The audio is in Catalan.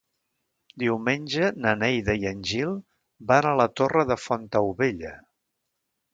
Diumenge na Neida i en Gil van a la Torre de Fontaubella.